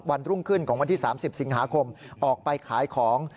รุ่งขึ้นของวันที่๓๐สิงหาคมออกไปขายของ